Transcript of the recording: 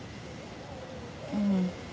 うん。